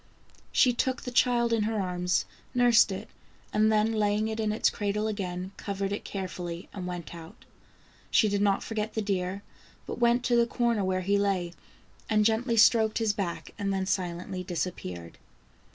She took the child in her arms, nursed it, and then laying it in its cradle again, covered it carefully, and went out. She did not forget the deer, but went to the corner where he lay and gently stroked his back and then silently disappeared.